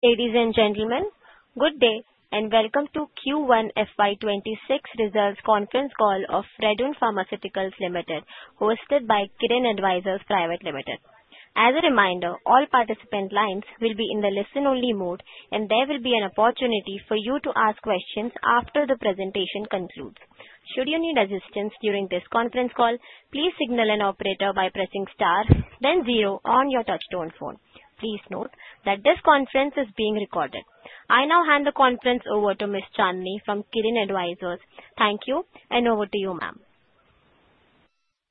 Ladies and gentlemen, good day and welcome to Q1 FY 2026 results conference call of Fredun Pharmaceuticals Limited, hosted by Kirin Advisors Private Limited. As a reminder, all participant lines will be in the listen-only mode, and there will be an opportunity for you to ask questions after the presentation concludes. Should you need assistance during this conference call, please signal an operator by pressing star then zero on your touchtone phone. Please note that this conference is being recorded. I now hand the conference over to Ms. Chandni from Kirin Advisors. Thank you, and over to you, ma'am.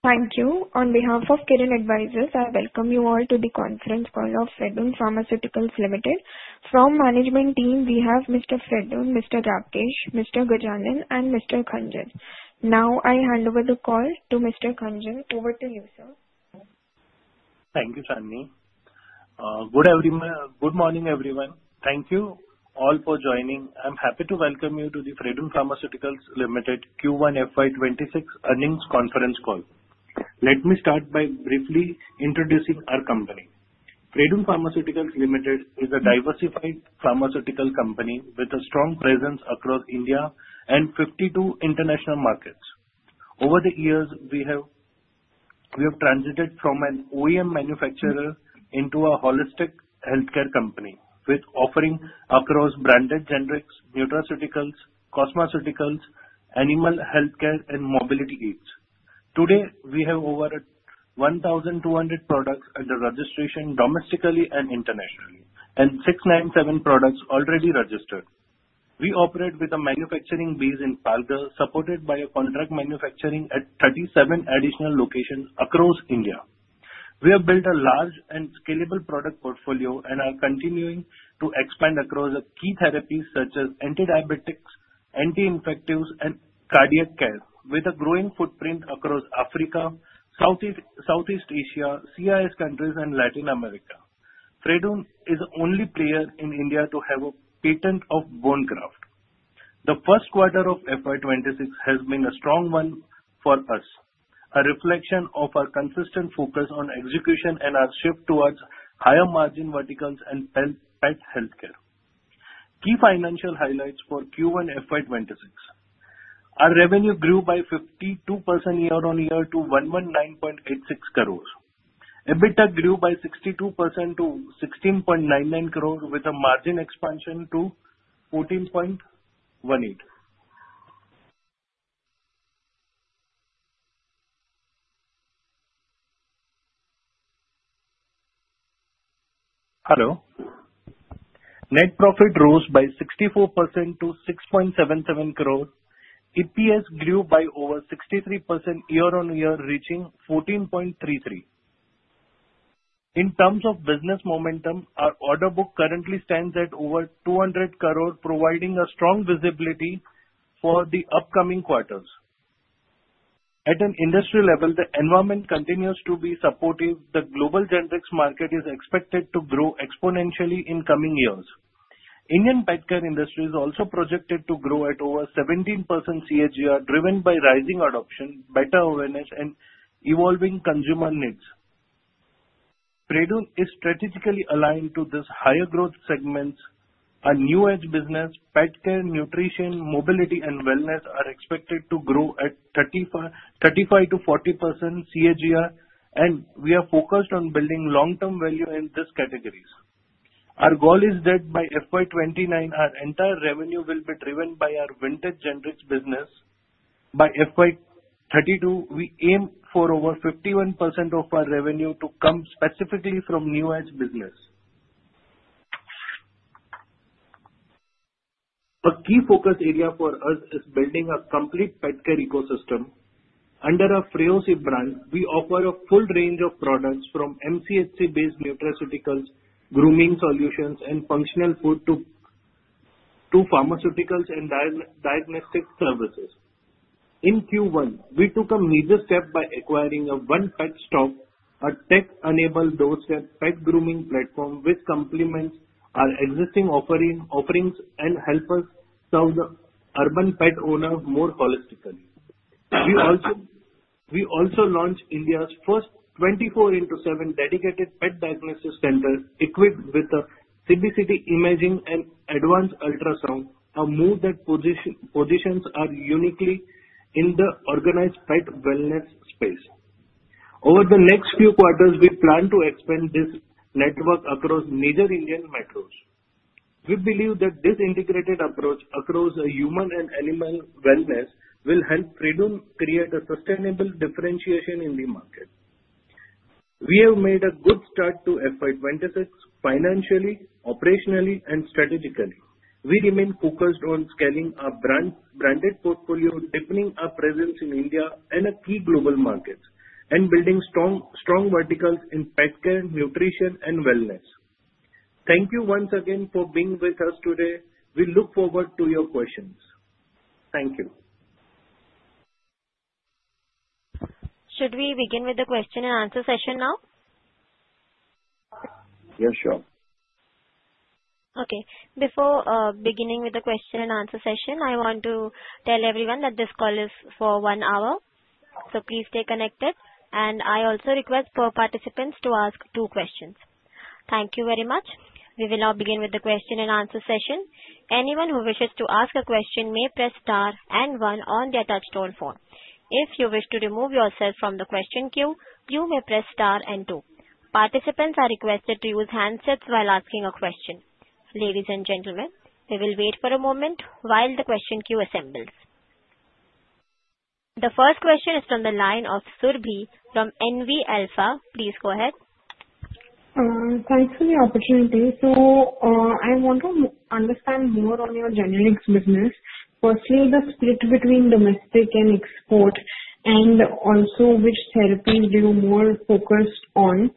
Thank you. On behalf of Kirin Advisors, I welcome you all to the conference call of Fredun Pharmaceuticals Limited. From the management team, we have Mr. Fredun, Mr. Rakesh, Mr. Gajanan, and Mr. Khanjan. Now I hand over the call to Mr. Khanjan. Over to you, sir. Thank you, Chandni. Good morning, everyone. Thank you all for joining. I'm happy to welcome you to the Fredun Pharmaceuticals Limited Q1 FY 2026 earnings conference call. Let me start by briefly introducing our company. Fredun Pharmaceuticals Limited is a diversified pharmaceutical company with a strong presence across India and 52 international markets. Over the years, we have transited from an OEM manufacturer into a holistic healthcare company with offerings across branded generics, nutraceuticals, cosmeceuticals, animal healthcare, and mobility aids. Today, we have over 1,200 products under registration domestically and internationally, and 697 products already registered. We operate with a manufacturing base in Palghar, supported by contract manufacturing at 37 additional locations across India. We have built a large and scalable product portfolio and are continuing to expand across key therapies such as antidiabetics, anti-infectives, and cardiac care, with a growing footprint across Africa, Southeast Asia, CIS countries, and Latin America. Fredun is the only player in India to have a patent of bone graft. The first quarter of FY 2026 has been a strong one for us, a reflection of our consistent focus on execution and our shift towards higher margin verticals and pet healthcare. Key financial highlights for Q1 FY 2026: Our revenue grew by 52% year-on-year to 119.86 crore. EBITDA grew by 62% to 16.99 crore, with a margin expansion to 14.18%. Net profit rose by 64% to 6.77 crore. EPS grew by over 63% year-on-year, reaching 14.33. In terms of business momentum, our order book currently stands at over 200 crore, providing strong visibility for the upcoming quarters. At an industry level, the environment continues to be supportive. The global generics market is expected to grow exponentially in coming years. The Indian pet care industry is also projected to grow at over 17% CAGR, driven by rising adoption, better awareness, and evolving consumer needs. Fredun is strategically aligned to these higher growth segments. Our new age business, pet care, nutrition, mobility, and wellness are expected to grow at 35%-40% CAGR, and we are focused on building long-term value in these categories. Our goal is that by FY 2029, our entire revenue will be driven by our vintage generics business. By FY 2032, we aim for over 51% of our revenue to come specifically from new age business. A key focus area for us is building a complete pet care ecosystem. Under our Freossi brand, we offer a full range of products from MCSC-based nutraceuticals, grooming solutions, and functional food to pharmaceuticals and diagnostic services. In Q1, we took a major step by acquiring One Pet Stop, a tech-enabled dog care pet grooming platform, which complements our existing offerings and helps us serve the urban pet owners more holistically. We also launched India's first 24/7 dedicated pet diagnosis center, equipped with [CBCT] imaging and advanced ultrasound, a move that positions us uniquely in the organized pet wellness space. Over the next few quarters, we plan to expand this network across major Indian metros. We believe that this integrated approach across human and animal wellness will help Fredun create a sustainable differentiation in the market. We have made a good start to FY 2026 financially, operationally, and strategically. We remain focused on scaling our branded portfolio, deepening our presence in India and key global markets, and building strong verticals in pet care, nutrition, and wellness. Thank you once again for being with us today. We look forward to your questions. Thank you. Should we begin with the question and answer session now? Yes, sure. Okay. Before beginning with the question and answer session, I want to tell everyone that this call is for one hour. Please stay connected. I also request participants to ask two questions. Thank you very much. We will now begin with the question and answer session. Anyone who wishes to ask a question may press star and one on their touchtone phone. If you wish to remove yourself from the question queue, you may press star and two. Participants are requested to use handsets while asking a question. Ladies and gentlemen, we will wait for a moment while the question queue assembles. The first question is from the line of Surabhi from NV Alpha. Please go ahead. Thanks for the opportunity. I want to understand more on your generics business. Firstly, the split between domestic and export, and also which therapies you're more focused on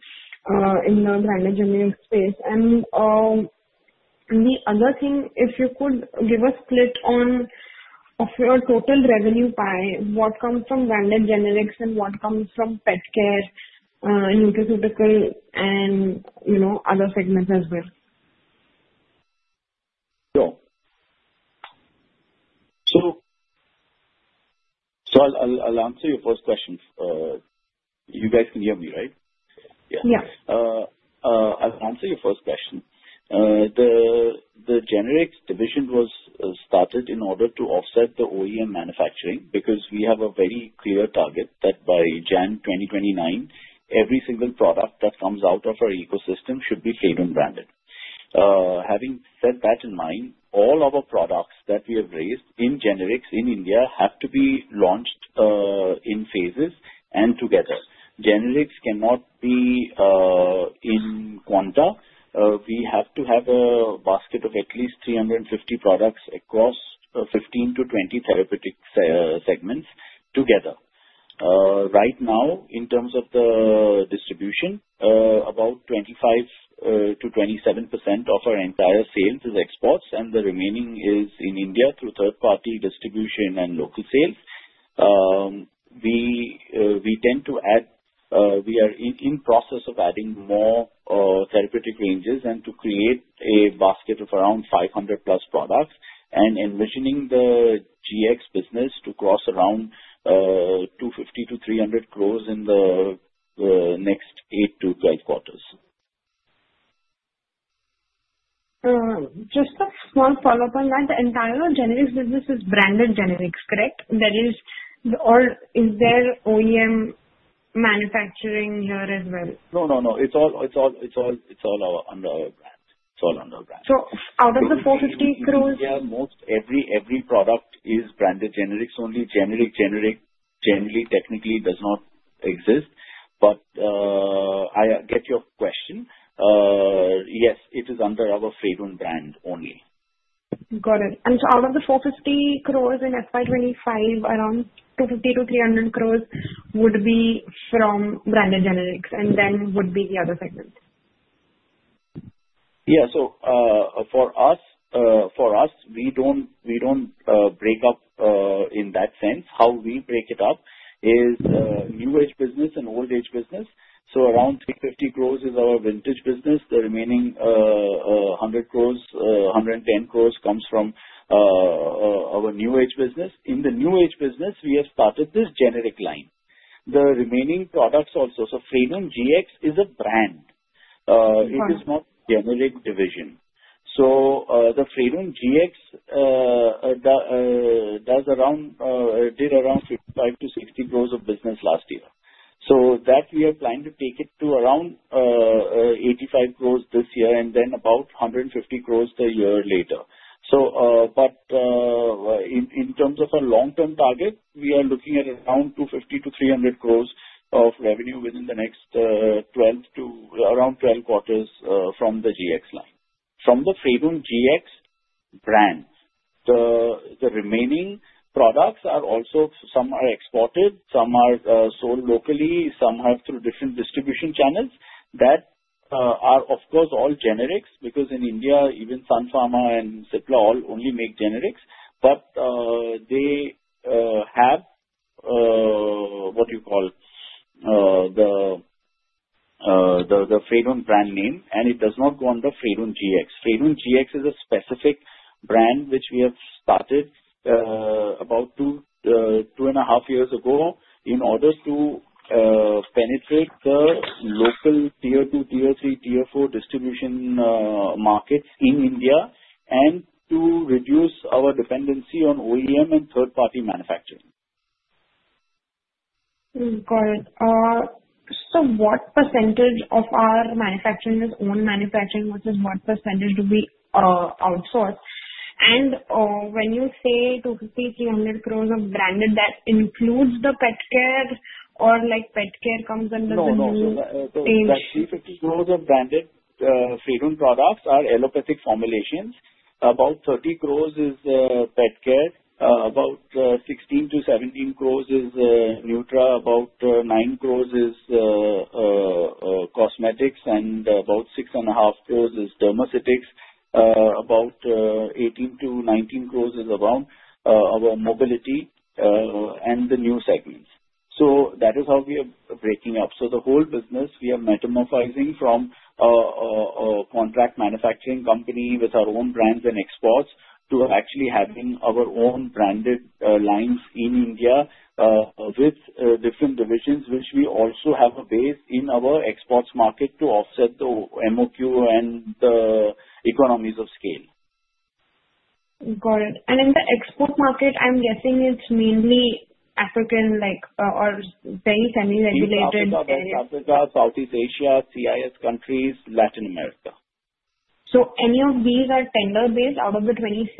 in the branded generics space. If you could give a split on your total revenue pie, what comes from branded generics and what comes from pet care, nutraceutical, and you know other segments as well. I'll answer your first question. You guys can hear me, right? Yeah. I'll answer your first question. The generics division was started in order to offset the OEM manufacturing because we have a very clear target that by January 2029, every single product that comes out of our ecosystem should be Fredun-branded. Having said that in mind, all our products that we have raised in generics in India have to be launched in phases and together. Generics cannot be in quanta. We have to have a basket of at least 350 products across 15-20 therapeutic segments together. Right now, in terms of the distribution, about 25%-27% of our entire sales is exports, and the remaining is in India through third-party distribution and local sales. We tend to add, we are in the process of adding more therapeutic ranges and to create a basket of around 500+ products and envisioning the Fredun Gx business to cross around 250 crore-300 crore in the next 8-12 quarters. Just a small follow-up on that. The entire generics business is branded generics, correct? Is there OEM manufacturing here as well? It's all under our brand. It's all under our brand. Out of the 450 crore. Every product is branded generics only. Generic generally technically does not exist. I get your question. Yes, it is under our Fredun brand only. Got it. Out of the 450 crore in FY 2025, around 250 crore-300 crore would be from branded generics, and then would be the other segment? Yeah. For us, we don't break up in that sense. How we break it up is new age business and old age business. Around 350 crore is our vintage business. The remaining 100 crore, 110 crore comes from our new age business. In the new age business, we have started this generic line. The remaining products also, so Fredun Gx is a brand. It is not a generic division. Fredun Gx did around 55 crore-60 crore of business last year. We are planning to take it to around 85 crore this year and then about 150 crore the year later. In terms of a long-term target, we are looking at around 250 crore-300 crore of revenue within the next 12 quarters from the Fredun Gx line. From the Fredun Gx brand, the remaining products are also, some are exported, some are sold locally, some are through different distribution channels that are, of course, all generics because in India, even Sun Pharma and Cipla only make generics. They have what you call the Fredun brand name, and it does not go under Fredun Gx. Fredun Gx is a specific brand which we have started about two and a half years ago in order to penetrate the local tier 2, tier 3, tier 4 distribution markets in India and to reduce our dependency on OEM and third-party manufacturing. Got it. What percentage of our manufacturing is own manufacturing versus what percentage do we outsource? When you say 250 crore-300 crore of branded, that includes the pet care or like pet care comes under the. No, no. The INR 350 crore of branded Fredun products are allopathic formulations. About 30 crore is pet care. About 16 crore-17 crore is nutra. About 9 crore is cosmetics, and about 6.5 crore is dermaceutics. About 18 crore-19 crore is around our mobility and the new segments. That is how we are breaking up. The whole business, we are metamorphosing from a contract manufacturing company with our own brands and exports to actually having our own branded lines in India with different divisions, which we also have a base in our exports market to offset the MOQ and the economies of scale. Got it. In the export market, I'm guessing it's mainly Africa or very semi-regulated. South Africa, Southeast Asia, CIS countries, Latin America. Are any of these tender-based out of the [27]?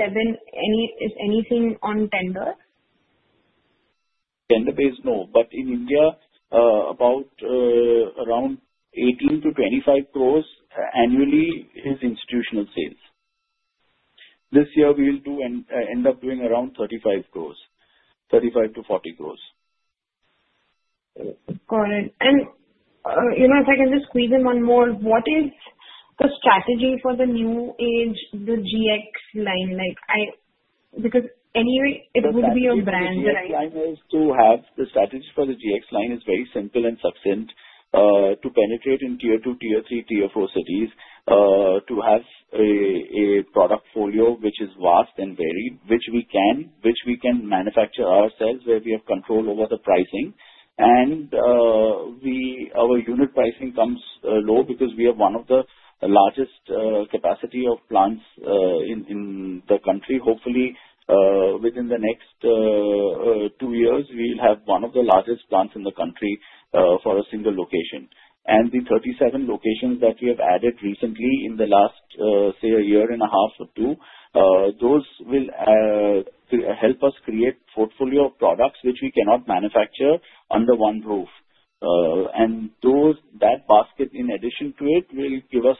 Is anything on tender? Tender-based, no. In India, around 18 crore-25 crore annually is institutional sales. This year, we will end up doing around 35 crore, 35 crore-40 crore. Got it. If I can just squeeze in one more, what is the strategy for the new age, the Fredun Gx line? Like I, because anyway, it would be a brand. The strategy for the Fredun Gx line is very simple and succinct: to penetrate in tier 2, tier 3, tier 4 cities, to have a product portfolio which is vast and varied, which we can manufacture ourselves where we have control over the pricing. Our unit pricing comes low because we have one of the largest capacity of plants in the country. Hopefully, within the next two years, we'll have one of the largest plants in the country for a single location. The 37 locations that we have added recently in the last, say, a year and a half or two, those will help us create a portfolio of products which we cannot manufacture under one roof. That basket, in addition to it, will give us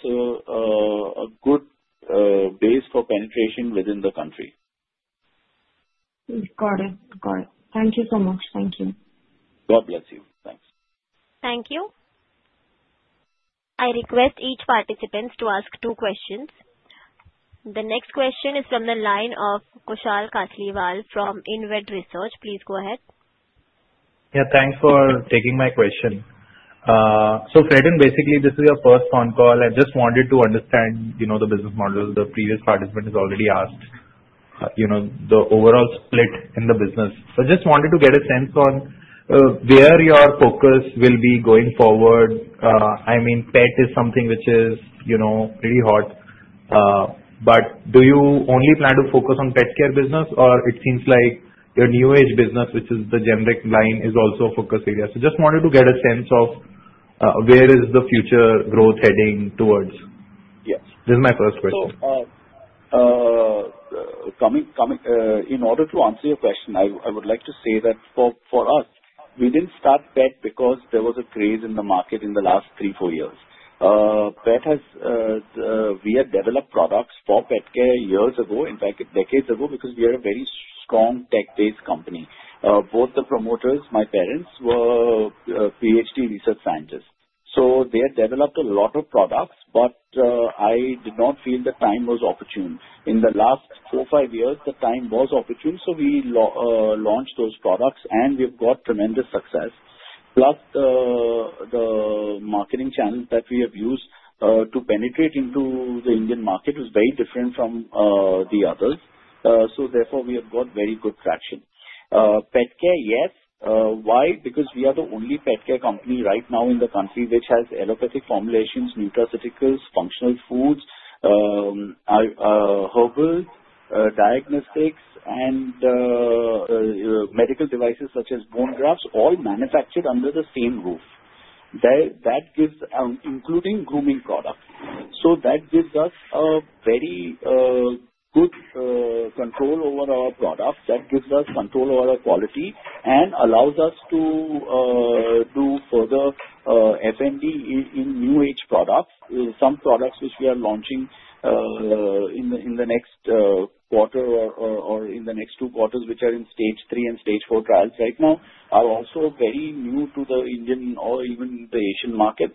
a good base for penetration within the country. Got it. Got it. Thank you so much. Thank you. God bless you. Thanks. Thank you. I request each participant to ask two questions. The next question is from the line of Kushal Kasliwal from InVed Research. Please go ahead. Yeah, thanks for taking my question. Fredun, basically, this is your first phone call. I just wanted to understand the business model. The previous participant has already asked the overall split in the business. I just wanted to get a sense on where your focus will be going forward. I mean, pet is something which is pretty hot. Do you only plan to focus on pet care business, or it seems like your new age business, which is the generic line, is also a focus area? I just wanted to get a sense of where is the future growth heading towards. Yes. This is my first question. In order to answer your question, I would like to say that for us, we didn't start pet because there was a craze in the market in the last three, four years. We had developed products for pet care years ago, in fact, decades ago, because we are a very strong tech-based company. Both the promoters, my parents, were PhD research scientists. They had developed a lot of products, but I did not feel the time was opportune. In the last four, five years, the time was opportune. We launched those products, and we've got tremendous success. Plus, the marketing channel that we have used to penetrate into the Indian market is very different from the others. Therefore, we have got very good traction. Pet care, yes. Why? Because we are the only pet care company right now in the country which has allopathic formulations, nutraceuticals, functional foods, herbal diagnostics, and medical devices such as bone grafts all manufactured under the same roof, including grooming products. That gives us a very good control over our products. That gives us control over our quality and allows us to do further R&D in new age products. Some products which we are launching in the next quarter or in the next two quarters, which are in stage three and stage four trials right now, are also very new to the Indian or even the Asian market.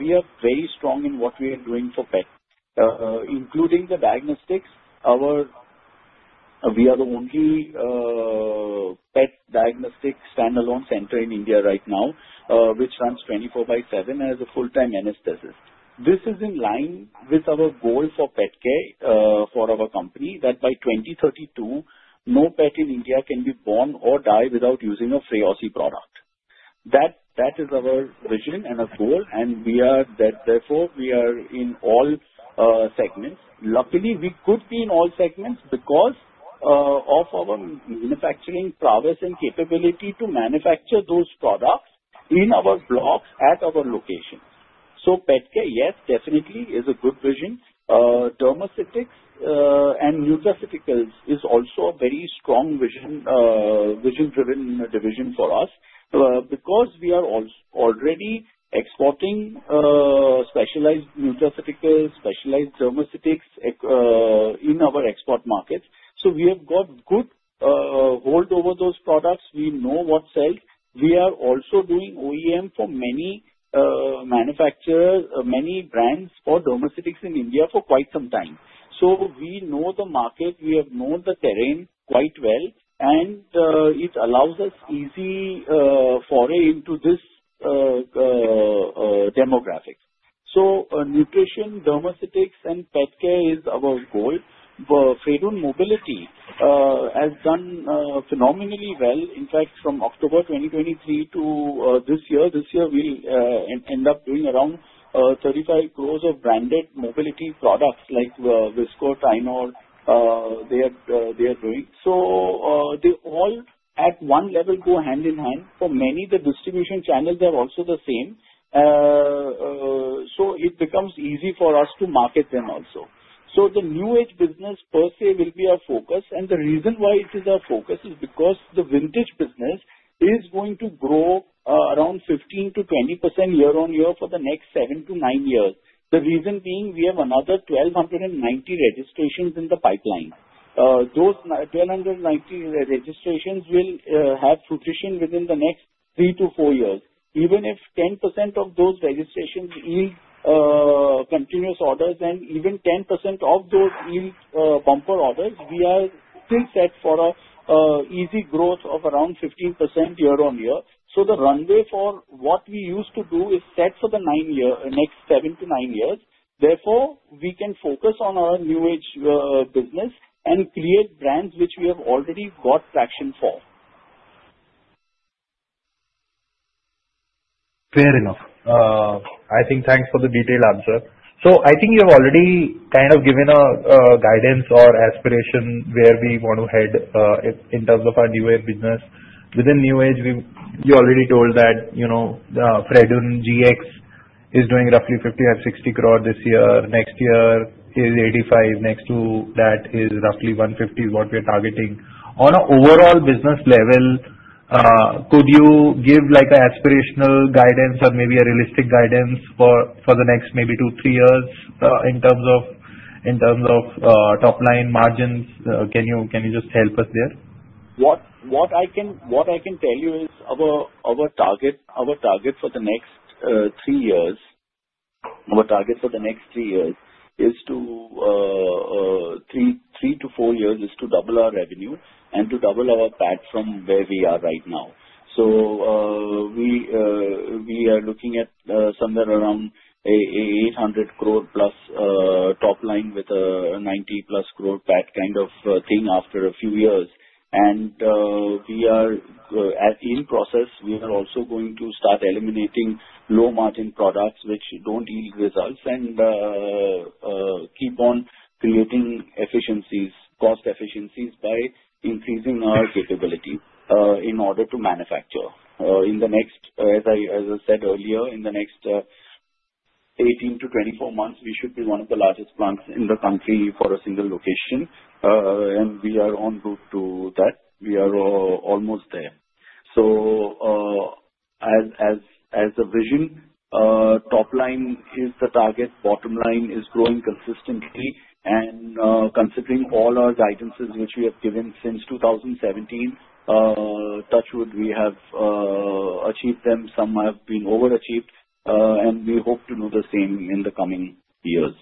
We are very strong in what we are doing for pet, including the diagnostics. We are the only pet diagnostic standalone center in India right now, which runs 24/7 as a full-time anesthetist. This is in line with our goal for pet care for our company that by 2032, no pet in India can be born or die without using a Freossi product. That is our vision and our goal. Therefore, we are in all segments. Luckily, we could be in all segments because of our manufacturing prowess and capability to manufacture those products in our blocks at our locations. Pet care, yes, definitely is a good vision. Dermaceutics and nutraceuticals is also a very strong vision-driven division for us because we are already exporting specialized nutraceuticals, specialized dermaceutics in our export markets. We have got good hold over those products. We know what sells. We are also doing OEM for many manufacturers, many brands for dermaceutics in India for quite some time. We know the market. We have known the terrain quite well, and it allows us easy foray into this demographic. Nutrition, dermaceutics, and pet care is our goal. Fredun Mobility has done phenomenally well. In fact, from October 2023 to this year, we'll end up doing around 35 crore of branded mobility products like [Vissco Tynor], they are doing. They all at one level go hand in hand. For many, the distribution channels are also the same. It becomes easy for us to market them also. The new age business per se will be our focus. The reason why it is our focus is because the vintage business is going to grow around 15%-20% year-on-year for the next seven to nine years. The reason being we have another 1,290 registrations in the pipeline. Those 1,290 registrations will have fruition within the next three to four years. Even if 10% of those registrations yield continuous orders and even 10% of those yield bumper orders, we are still set for an easy growth of around 15% year-on-year. The runway for what we used to do is set for the next seven to nine years. Therefore, we can focus on our new age business and create brands which we have already got traction for. Fair enough. Thanks for the detailed answer. I think you've already kind of given a guidance or aspiration where we want to head in terms of our new age business. Within new age, you already told that, you know, the Fredun Gx is doing roughly 55 crore–60 crore this year. Next year is 85 crore. Next to that is roughly INR 150 crore is what we are targeting. On an overall business level, could you give like an aspirational guidance or maybe a realistic guidance for the next maybe two to three years in terms of top-line margins? Can you just help us there? What I can tell you is our target for the next three years, our target for the next three to four years is to double our revenue and to double our PAT from where we are right now. We are looking at somewhere around an 800+ crore top line with a 90+ crore PAT kind of thing after a few years. We are in process, we are also going to start eliminating low-margin products which don't yield results and keep on creating cost efficiencies by increasing our capability in order to manufacture. In the next, as I said earlier, in the next 18 to 24 months, we should be one of the largest plants in the country for a single location. We are on route to that. We are almost there. As a vision, top line is the target. Bottom line is growing consistently. Considering all our guidances which we have given since 2017, touch wood, we have achieved them. Some have been overachieved. We hope to do the same in the coming years.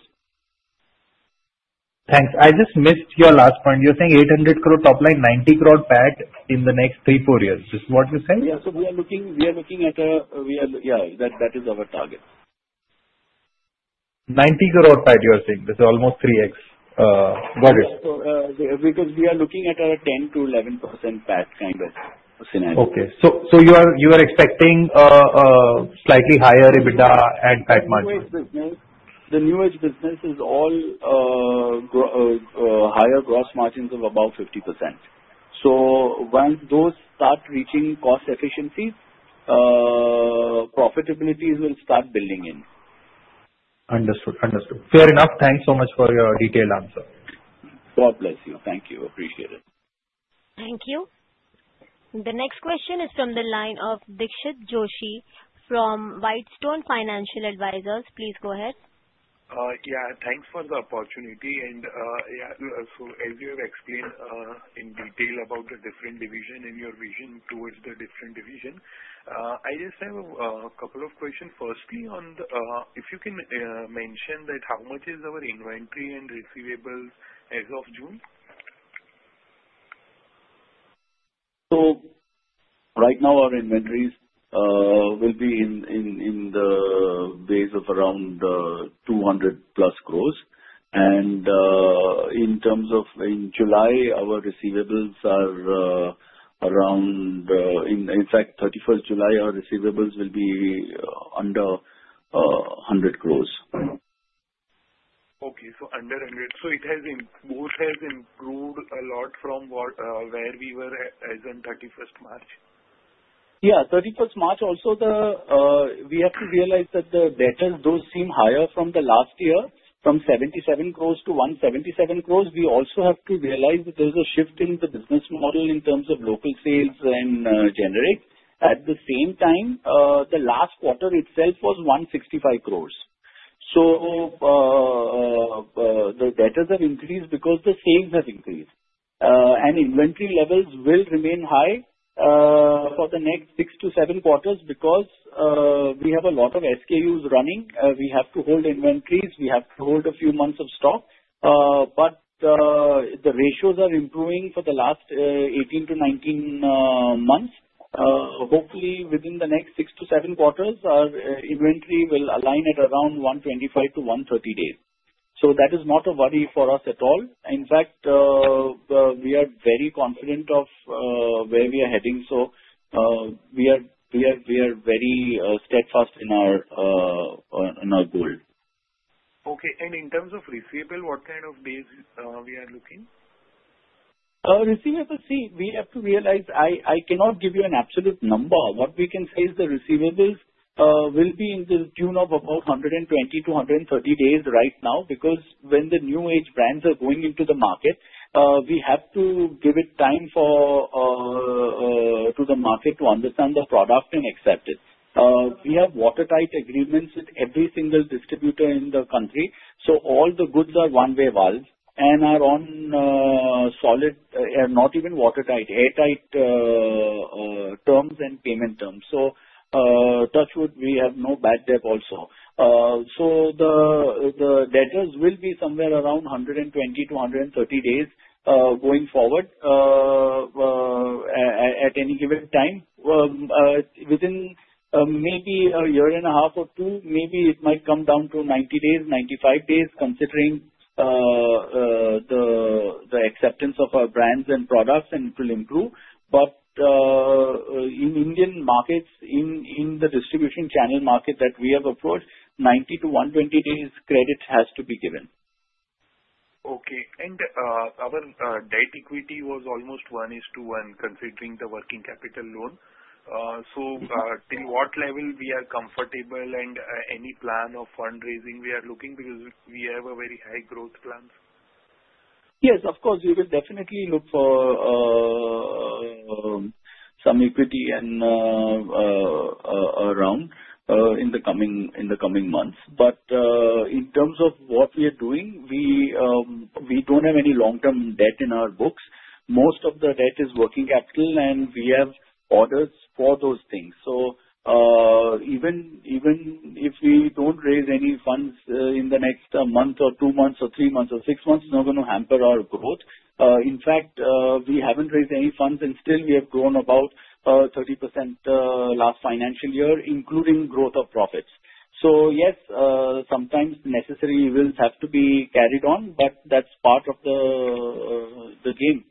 Thanks. I just missed your last point. You're saying 800 crore top line, 90 crore PAT in the next three, four years. Is that what you're saying? Yeah, that is our target. 90 crore PAT, you're saying. This is almost 3x. Got it. Because we are looking at a 10%-11% PAT kind of scenario. Okay. You are expecting a slightly higher EBITDA and net margin. The new age business is all higher gross margins of about 50%. Once those start reaching cost efficiencies, profitabilities will start building in. Understood. Understood. Fair enough. Thanks so much for your detailed answer. God bless you. Thank you. Appreciate it. Thank you. The next question is from the line of Dixit Doshi from Whitestone Financial Advisors. Please go ahead. Thank you for the opportunity. As you have explained in detail about the different divisions and your vision towards the different divisions, I just have a couple of questions. Firstly, if you can mention how much is our inventory and receivable as of June? Right now, our inventories will be in the base of around 200+ crore. In terms of July, our receivables are around, in fact, 31st July, our receivables will be under 100 crore. Okay. Under 100. It has improved a lot from where we were as in 31st March. Yeah. 31st March, also we have to realize that the debtors do seem higher from last year, from 77 crore-177 crore. We also have to realize that there was a shift in the business model in terms of local sales and generics. At the same time, the last quarter itself was INR 165 crore. The debtors have increased because the sales have increased. Inventory levels will remain high for the next six to seven quarters because we have a lot of SKUs running. We have to hold inventories. We have to hold a few months of stock. The ratios are improving for the last 18-19 months. Hopefully, within the next six to seven quarters, our inventory will align at around 125-130 days. That is not a worry for us at all. In fact, we are very confident of where we are heading. We are very steadfast in our goal. Okay. In terms of receivables, what kind of days are we looking? Receivables, see, we have to realize I cannot give you an absolute number. What we can say is the receivables will be in the tune of about 120-130 days right now because when the new age brands are going into the market, we have to give it time for the market to understand the product and accept it. We have watertight agreements with every single distributor in the country. All the goods are one-way valves and are on solid, not even watertight, airtight terms and payment terms. Touch wood, we have no bad debt also. The debtors will be somewhere around 120-130 days going forward at any given time. Within maybe a year and a half or two, maybe it might come down to 90 days, 95 days, considering the acceptance of our brands and products and will improve. In Indian markets, in the distribution channel market that we have approached, 90-120 days credit has to be given. Our debt equity was almost 1:1, considering the working capital loan. Till what level are we comfortable, and any plan of fundraising we are looking at because we have a very high growth plan? Yes, of course. We will definitely look for some equity and around in the coming months. In terms of what we are doing, we don't have any long-term debt in our books. Most of the debt is working capital, and we have orders for those things. Even if we don't raise any funds in the next month or two months or three months or six months, it's not going to hamper our growth. In fact, we haven't raised any funds, and still we have grown about 30% last financial year, including growth of profits. Sometimes necessary wills have to be carried on, but that's part of the game.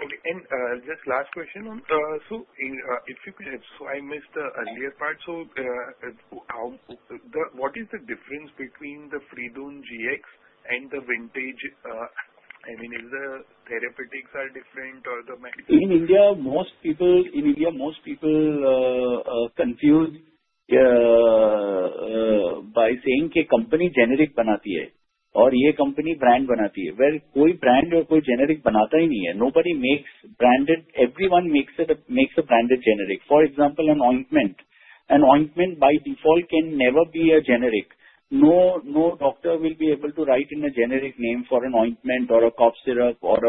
Okay. Just last question. If you could, I missed the earlier part. What is the difference between the Fredun Gx and the vintage? I mean, is the therapeutics different or the? In India, most people confuse by saying कि company generic बनाती है और यह company brand बनाती है। कोई brand और कोई जेनेरिक बनाता ही नहीं है key company generate [fan at tier], or your company generate [fan at tier]. Well, all brand generate, what I mean nobody makes branded. Everyone makes a branded generic. For example, an ointment. An ointment by default can never be a generic. No doctor will be able to write in a generic name for an ointment or a cough syrup or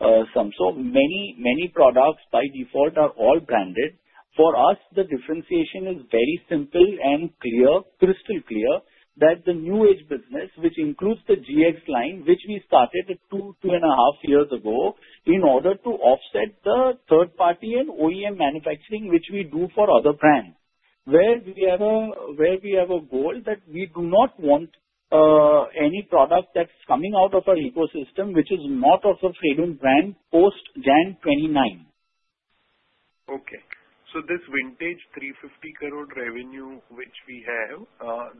a sum. So many, many products by default are all branded. For us, the differentiable and clear, crystal clear that the new age business, which includes the Fredun Gx line, which we started two, two and a half years ago in order to offset the third party and OEM manufacturing, which we do for other brands. Where we have a goal that we do not want any product that's coming out of our ecosystem, which is not of a Fredun brand post January 29. Okay. This vintage 350 crore revenue, which we have,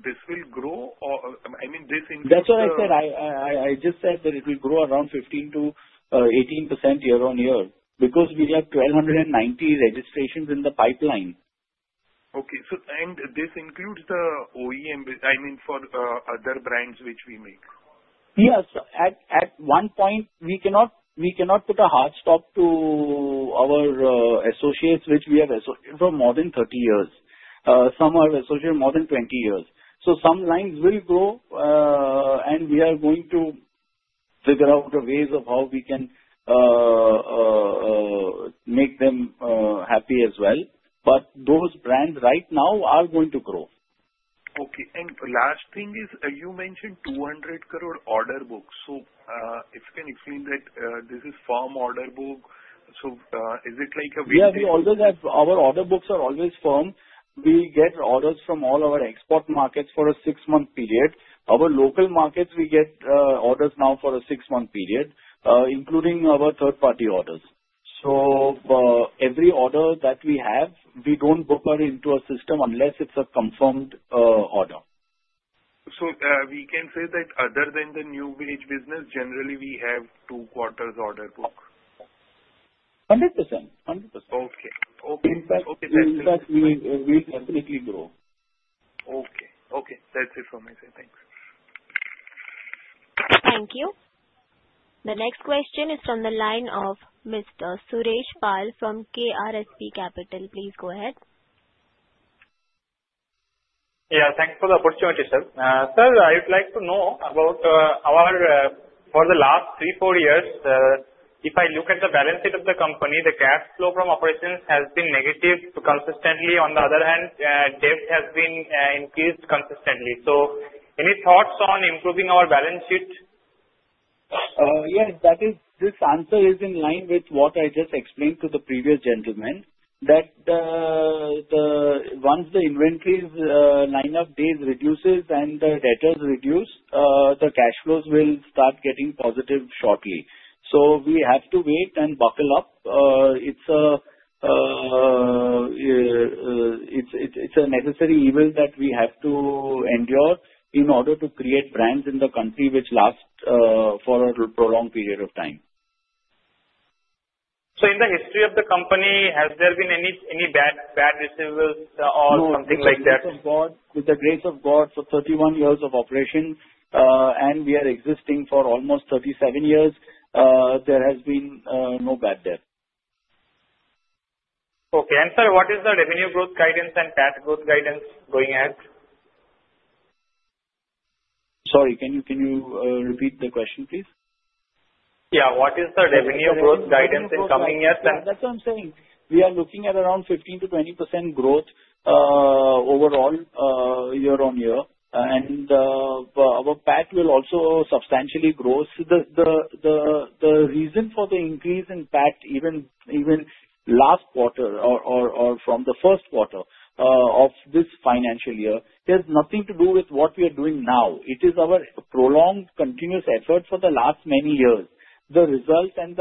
this will grow? I mean, this. That's what I said. I just said that it will grow around 15%-18% year-on-year because we have 1,290 registrations in the pipeline. Okay. This includes the OEM, I mean, for other brands which we make? Yes. At one point, we cannot put a hard stop to our associates, which we have associated for more than 30 years. Some are associated more than 20 years. Some lines will grow, and we are going to figure out the ways of how we can make them happy as well. Those brands right now are going to grow. Okay. You mentioned 200 crore order books. If you can explain that, is this a firm order book, is it like a? Yeah. We always have, our order books are always firm. We get orders from all our export markets for a six-month period. Our local markets, we get orders now for a six-month period, including our third-party orders. Every order that we have, we don't book into our system unless it's a confirmed order. Other than the new age business, generally, we have two-quarters order book? 100%. 100%. Okay. Okay. In fact, we will definitely grow. Okay. Okay. That's it from my side. Thanks. Thank you. The next question is from the line of Mr. [Suresh Pal from KRSP Capital]. Please go ahead. Thank you for the opportunity, sir. Sir, I would like to know about our, for the last three, four years, if I look at the balance sheet of the company, the cash flow from operations has been negative consistently. On the other hand, debt has been increased consistently. Any thoughts on improving our balance sheet? Yeah. In fact, this answer is in line with what I just explained to the previous gentleman, that once the inventory line of days reduces and the debtors reduce, the cash flows will start getting positive shortly. We have to wait and buckle up. It's a necessary evil that we have to endure in order to create brands in the country which last for a prolonged period of time. In the history of the company, has there been any bad receivables or something like that? With the grace of God, for 31 years of operation, and we are existing for almost 37 years, there has been no bad debt. Okay. Sir, what is the revenue growth guidance and PAT growth guidance going at? Sorry, can you repeat the question, please? What is the revenue growth guidance and PAT? That's what I'm saying. We are looking at around 15%-20% growth overall year-on-year, and our PAT will also substantially grow. The reason for the increase in PAT, even last quarter or from the first quarter of this financial year, has nothing to do with what we are doing now. It is our prolonged continuous efforts for the last many years. The results and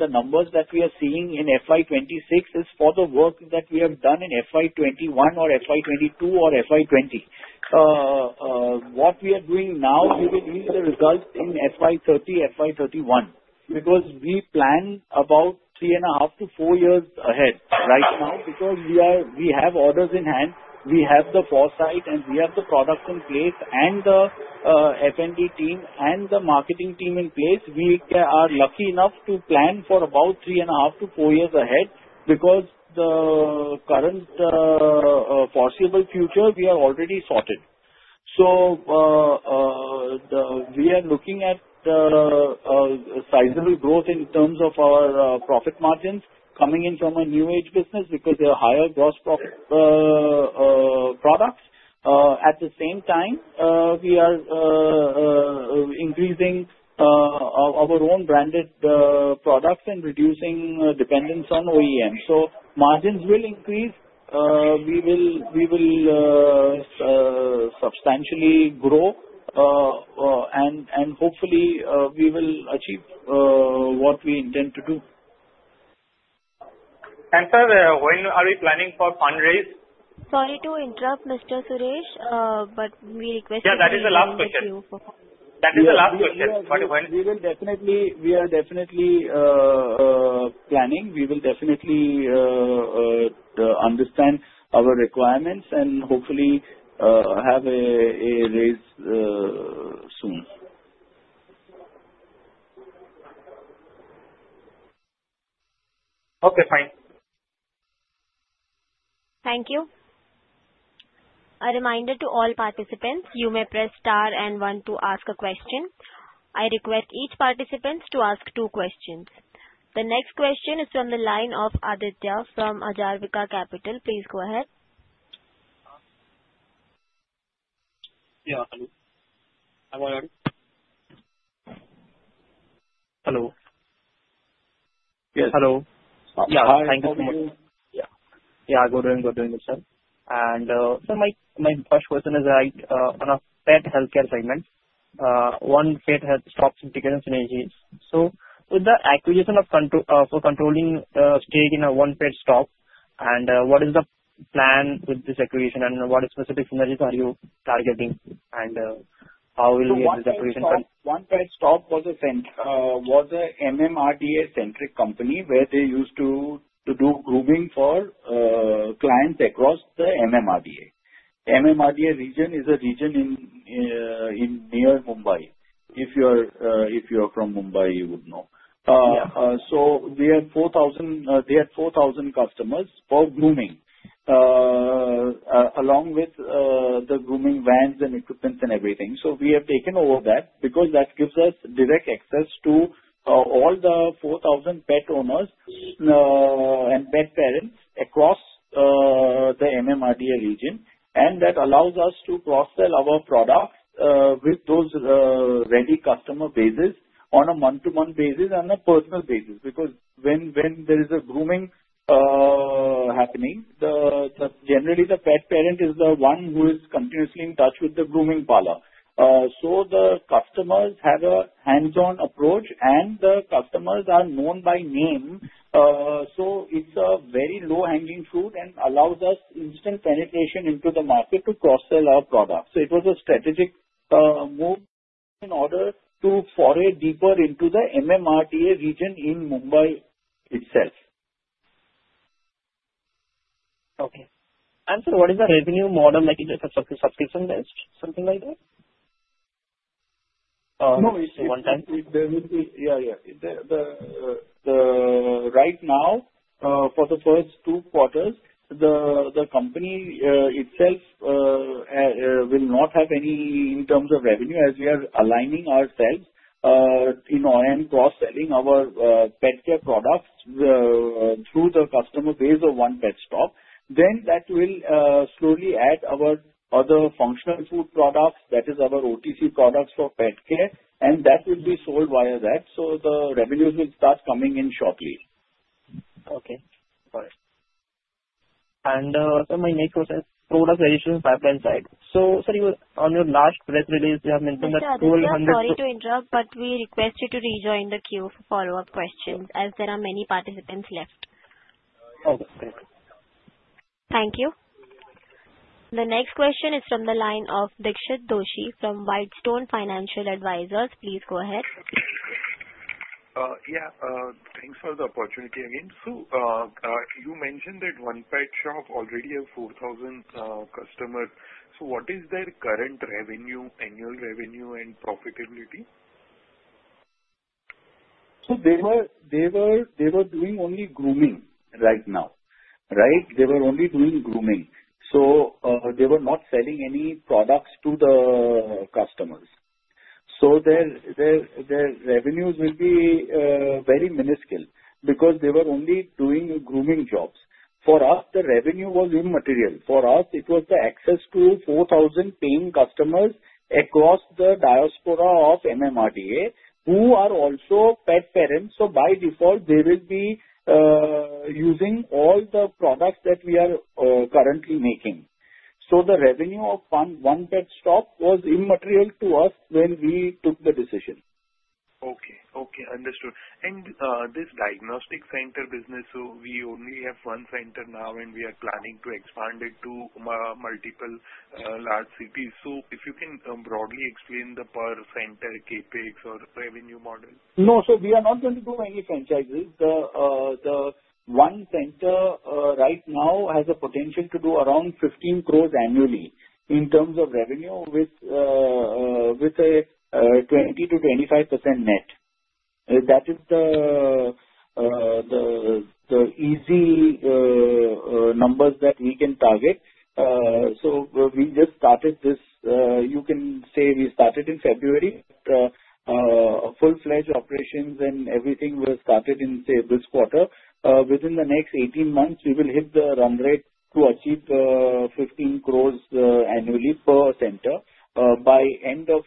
the numbers that we are seeing in FY 2026 are for the work that we have done in FY 2021 or FY 2022 or FY 2020. What we are doing now, you can see the results in FY 2030, FY 2031 because we plan about three and a half to four years ahead right now because we have orders in hand. We have the foresight, and we have the products in place and the R&D team and the marketing team in place. We are lucky enough to plan for about three and a half to four years ahead because the current foreseeable future, we are already sorted. We are looking at sizable growth in terms of our profit margins coming in from a new age business because there are higher gross profit products. At the same time, we are increasing our own branded products and reducing dependence on OEM. Margins will increase. We will substantially grow and hopefully, we will achieve what we intend to do. Sir, when are we planning for fundraising? Sorry to interrupt, Mr. Suresh, but we requested. That is the last question. We are definitely planning. We will definitely understand our requirements and hopefully have a raise soon. Okay. Fine. Thank you. A reminder to all participants, you may press star and one to ask a question. I request each participant to ask two questions. The next question is from the line of [Aditya from Ajarbika Capital]. Please go ahead. Yeah. Hello. Yes. Hello. Yeah. Hi. Thank you so much. Yeah, good morning. Sir, my first question is that on a pet healthcare segment, One Pet Stop integration synergy. With the acquisition of control for controlling stake in One Pet Stop, what is the plan with this acquisition, and what specific synergy are you targeting, and how will you use this acquisition? One Pet Stop was an MMRDA-centric company where they used to do grooming for clients across the MMRDA. MMRDA region is a region near Mumbai. If you are from Mumbai, you would know. They had 4,000 customers for grooming, along with the grooming vans and equipment and everything. We have taken over that because that gives us direct access to all the 4,000 pet owners and pet parents across the MMRDA region. That allows us to cross-sell our product with those ready customer bases on a month-to-month basis and a personal basis because when there is a grooming happening, generally, the pet parent is the one who is continuously in touch with the grooming parlor. The customers have a hands-on approach, and the customers are known by name. It is a very low-hanging fruit and allows us instant penetration into the market to cross-sell our products. It was a strategic move in order to foray deeper into the MMRDA region in Mumbai itself. Okay. Sir, what is the revenue model? Is it a subscription-based, something like that? No, it's a one-time fee. Yeah, yeah. Right now, for the first two quarters, the company itself will not have any in terms of revenue as we are aligning ourselves in OEM cross-selling our pet care products through the customer base of One Pet Stop. That will slowly add our other functional food products. That is our OTC products for pet care. That will be sold via that. The revenues will start coming in shortly. Okay. Got it. Sir, my next question is product registration pipeline side. Sir, you on your last press release, you have mentioned that 200. Sorry to interrupt, but we request you to rejoin the queue for follow-up questions, as there are many participants left. Okay. Thank you. The next question is from the line of Dixit Doshi from Whitestone Financial Advisors. Please go ahead. Yeah. Thanks for the opportunity. You mentioned that One Pet Stop already has 4,000 customers. What is their current revenue, annual revenue, and profitability? They were doing only grooming right now, right? They were only doing grooming. They were not selling any products to the customers. Their revenues will be very minuscule because they were only doing grooming jobs. For us, the revenue was immaterial. For us, it was the access to 4,000 paying customers across the diaspora of MMRDA who are also pet parents. By default, they will be using all the products that we are currently making. The revenue of One Pet Stop was immaterial to us when we took the decision. Okay. Understood. This diagnostic center business, we only have one center now, and we are planning to expand it to multiple large cities. If you can broadly explain the per center CapEx or revenue model. No, sir, we are not going to do many franchises. The one center right now has a potential to do around 15 crore annually in terms of revenue with a 20%-25% net. That is the easy numbers that we can target. We just started this. You can say we started in February, but full-fledged operations and everything were started in, say, this quarter. Within the next 18 months, we will hit the run rate to achieve 15 crore annually per center. By end of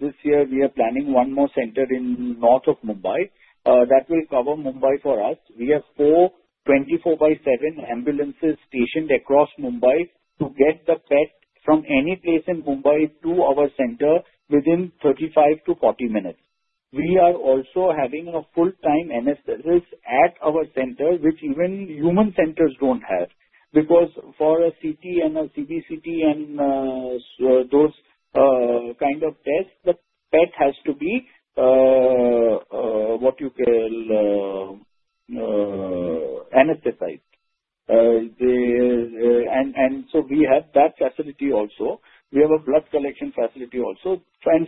this year, we are planning one more center in north of Mumbai. That will cover Mumbai for us. We have four 24/7 ambulances stationed across Mumbai to get the pet from any place in Mumbai to our center within 35 minutes-40 minutes. We are also having a full-time anesthetist at our center, which even human centers don't have because for a CT and a CBCT and those kind of tests, the pet has to be, what you call, anesthetized. We have that facility also. We have a blood collection facility also.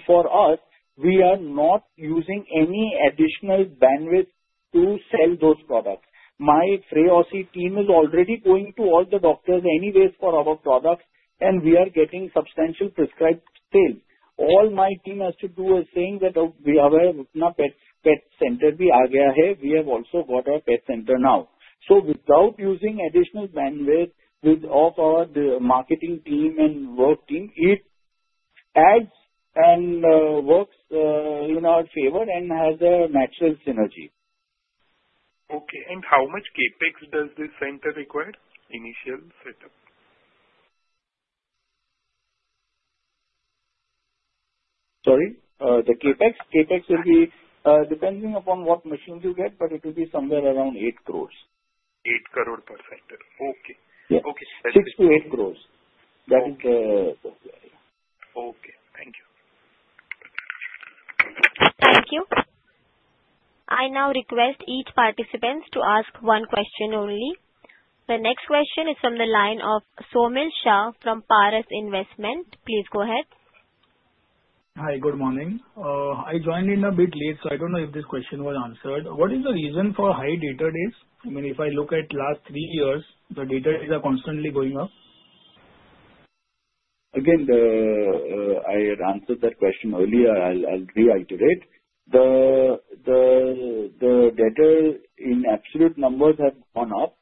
For us, we are not using any additional bandwidth to sell those products. My Freossi team is already going to all the doctors anyways for our products, and we are getting substantial prescribed sale. All my team has to do is say that we are a pet center we are going to have. We have also got our pet center now. Without using additional bandwidth of our marketing team and work team, it adds and works in our favor and has a natural synergy. Okay. How much CapEx does this center require? Initial setup. Sorry? The CapEx will be depending upon what machines you get, but it will be somewhere around 8 crore. 8 crore per center. Okay. Yeah. Okay. 68 crore. That is the. Okay, thank you. Thank you. I now request each participant to ask one question only. The next question is from the line of [Somil Shah] from Paras Investment. Please go ahead. Hi. Good morning. I joined in a bit late, so I don't know if this question was answered. What is the reason for high data days? I mean, if I look at the last three years, the data is constantly going up. Again, I answered that question earlier. I'll reiterate. The data in absolute numbers have gone up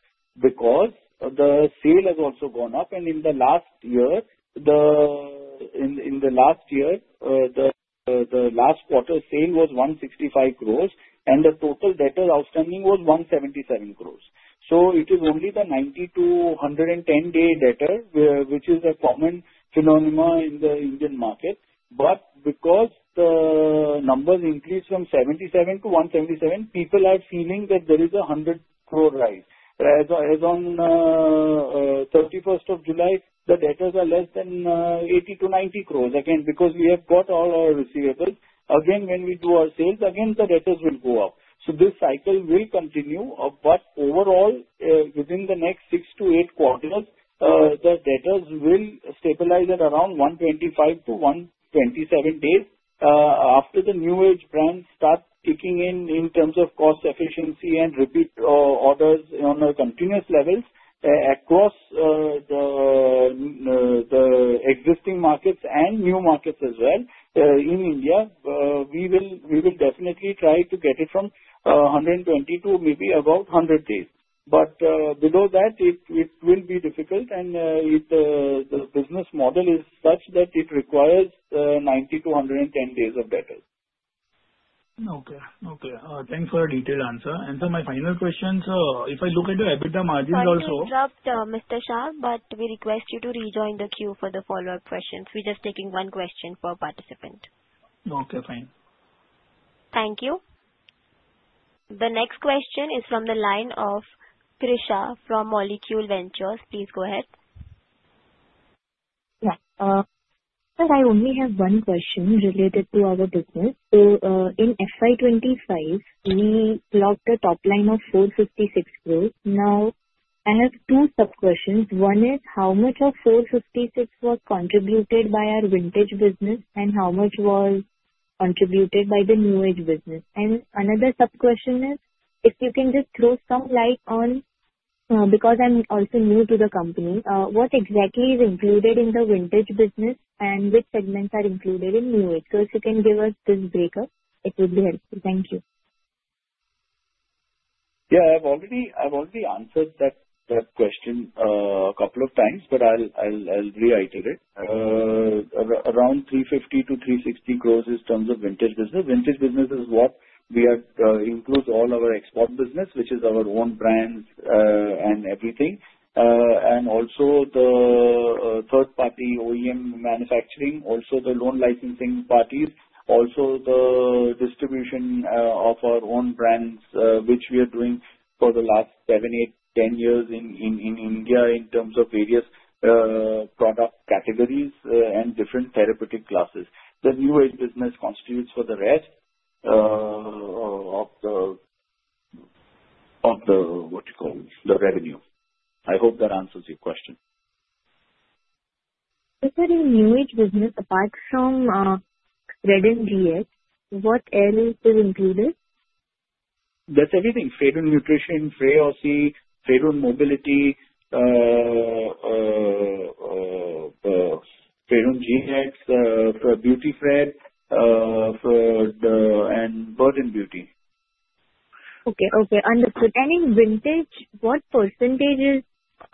because the sale has also gone up. In the last year, the last quarter sale was 165 crore, and the total debtor outstanding was 177 crore. It is only the 90-110 day debtor, which is a common phenomenon in the Indian market. Because the numbers increased from 77 crore-177 crore, people are feeling that there is a 100 crore rise. As on 31st of July, the debtors are less than 80 crore-90 crore. We have got all our receivables. When we do our sales, the debtors will go up. This cycle will continue. Overall, within the next six to eight quarters, the debtors will stabilize at around 125-127 days after the new age brands start kicking in in terms of cost efficiency and repeat orders on a continuous level across the existing markets and new markets as well. In India, we will definitely try to get it from 120 to maybe about 100 days. Below that, it will be difficult, and the business model is such that it requires 90-110 days of debtors. Okay. Thanks for a detailed answer. My final question, if I look at the EBITDA margins also. I'll interrupt, Mr. Shah, but we request you to rejoin the queue for the follow-up questions. We're just taking one question per participant. Okay. Fine. Thank you. The next question is from the line of Krisha from Molecule Ventures. Please go ahead. Yeah. Sir, I only have one question related to our business. In FY 2025, we lost the top line of 456 crore. I have two sub-questions. One is how much of 456 crore was contributed by our vintage business and how much was contributed by the new age business? Another sub-question is if you can just throw some light on, because I'm also new to the company, what exactly is included in the vintage business and which segments are included in new age? If you can give us this breakup, it would be helpful. Thank you. Yeah, I've already answered that question a couple of times, but I'll reiterate it. Around 350 crore-360 crore in terms of vintage business. Vintage business is what includes all our export business, which is our own brands and everything, and also the third-party OEM manufacturing, also the loan licensing parties, also the distribution of our own brands, which we are doing for the last seven, eight, 10 years in India in terms of various product categories and different therapeutic classes. The new age business constitutes for the rest of the, what do you call it, the revenue. I hope that answers your question. If a new age business bikes from Fredun Gx, what areas is included? That's everything. Fredun Nutrition, Freossi, Fredun Mobility, Fredun Gx, BeautyFRED, and Bird N Beauty. Okay. Understood. Any vintage? What percentage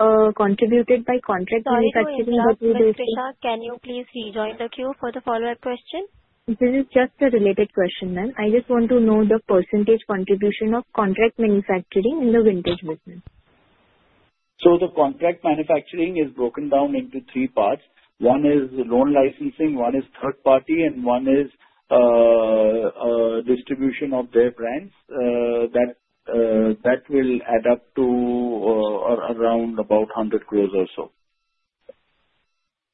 is contributed by contract manufacturing? Sorry, Mr. Shah, can you please rejoin the queue for the follow-up question? This is just a related question, ma'am. I just want to know the percentage contribution of contract manufacturing in the vintage business. The contract manufacturing is broken down into three parts. One is loan licensing, one is third-party, and one is distribution of their brands. That will add up to around 100 crore or so.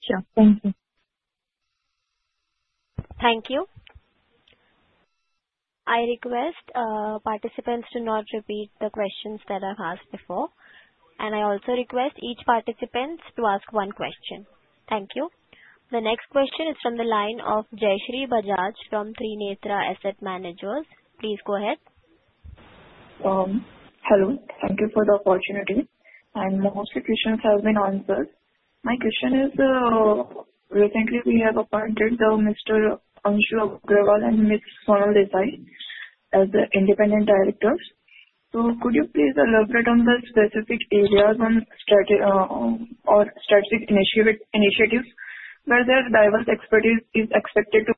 Sure. Thank you. Thank you. I request participants to not repeat the questions that I've asked before. I also request each participant to ask one question. Thank you. The next question is from the line of Jayshree Bajaj from Trinetra Asset Managers. Please go ahead. Hello. Thank you for the opportunity. Most of the questions have been answered. My question is, recently, we have appointed Mr. Anshu Agarwal and Ms. Sonal Desai as the Independent Directors. Could you please elaborate on the specific areas on strategic initiatives where their diverse expertise is expected to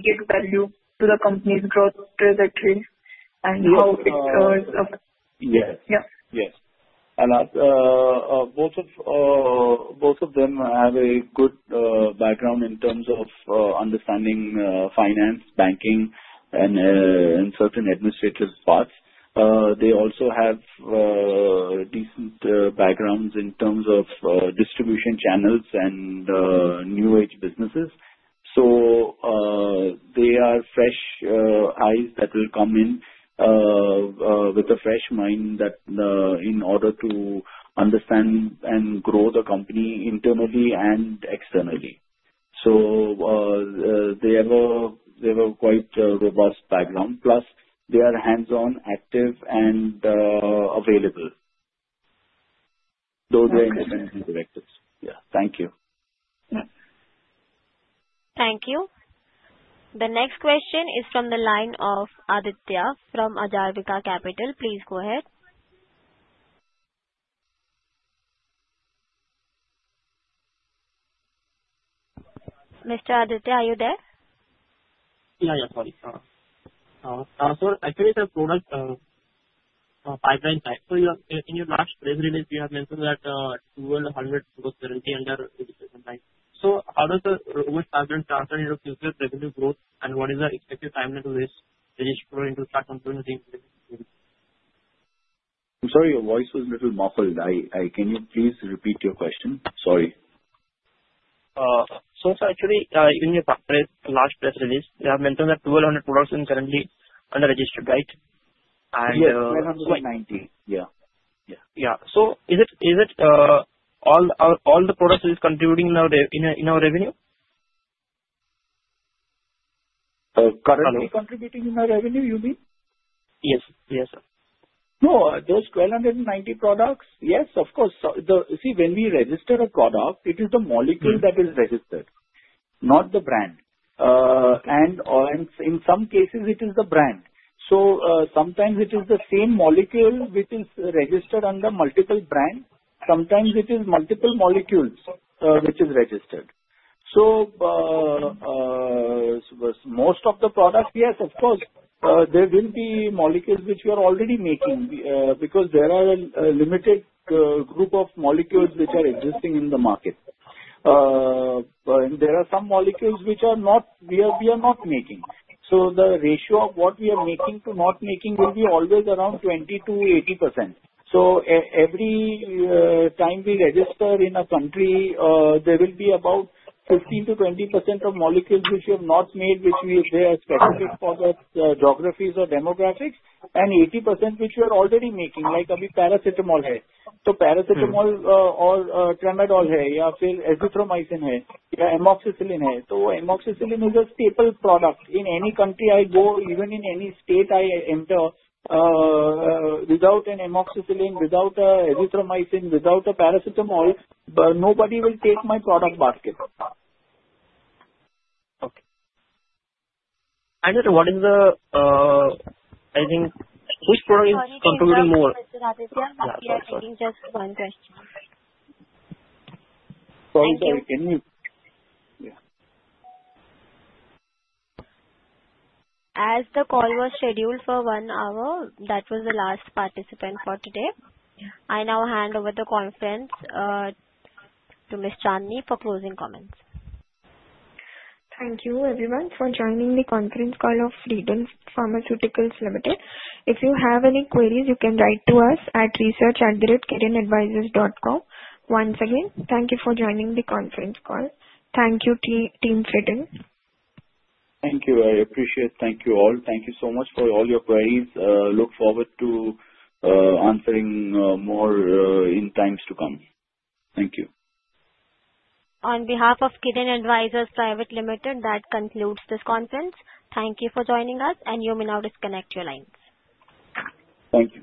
give value to the company's growth trajectory? Thank you. Yes. Most of them have a good background in terms of understanding finance, banking, and in certain administrative parts. They also have decent backgrounds in terms of distribution channels and new age businesses. They are fresh eyes that will come in with a fresh mind in order to understand and grow the company internally and externally. They have a quite robust background. Plus, they are hands-on, active, and available, though they're independent directors. Yeah. Thank you. Thank you. The next question is from the line of Aditya from Ajarbika Capital. Please go ahead. Mr. Aditya, are you there? Sorry. Sir, actually, the product pipeline side. In your last press release, we have mentioned that 200 product serenity and that. How does the robot pipeline transfer into future revenue growth, and what is the expected timeline to reach for into track on 2023? I'm sorry, your voice was a little muffled. Can you please repeat your question? Sorry. In your last press release, you have mentioned that 1,200 products are currently under registered, right? Yeah. Yeah. Is it all the products that are contributing in our revenue? Currently. Are they contributing in our revenue, you mean? Yes, sir. No. Those 1,190 products, yes, of course. When we register a product, it is the molecule that is registered, not the brand. In some cases, it is the brand. Sometimes it is the same molecule which is registered under multiple brands. Sometimes it is multiple molecules which is registered. Most of the products, yes, of course, there will be molecules which we are already making because there are a limited group of molecules which are existing in the market. There are some molecules which we are not making. The ratio of what we are making to not making will always be around 20%-80%. Every time we register in a country, there will be about 15%-20% of molecules which we have not made, which are specific for the geographies or demographics, and 80% which we are already making, like a paracetamol head. Paracetamol or tramadol head, or erythromycin head, amoxicillin head. Amoxicillin is a staple product. In any country I go, even in any state I enter, without an amoxicillin, without an erythromycin, without a paracetamol, nobody will take my product market. Sir, what is the, I think, which product is contributing more? Mr. Aditya, we are taking just one question. Sorry. Can you? As the call was scheduled for one hour, that was the last participant for today. I now hand over the conference to Ms. Chandni for closing comments. Thank you, everyone, for joining the conference call of Fredun Pharmaceuticals Limited. If you have any queries, you can write to us at research@kirinadvisors.com. Once again, thank you for joining the conference call. Thank you, Team Fredun. Thank you. I appreciate it. Thank you all. Thank you so much for all your queries. Look forward to answering more in times to come. Thank you. On behalf of Kirin Advisors Private Limited, that concludes this conference. Thank you for joining us, and you may now disconnect your lines. Thank you.